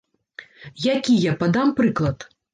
Які я падам прыклад?